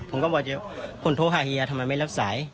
ผมก็บอกผมโทรหาเฮียทำไมไม่รับสาย